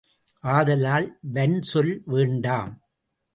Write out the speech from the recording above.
ஆதலால் வன்சொல் வேண்டாம்!